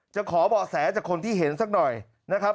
ขอเบาะแสจากคนที่เห็นสักหน่อยนะครับ